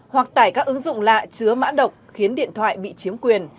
hoặc tải các ứng dụng lạ chứa mã độc khiến điện thoại bị chiếm quyền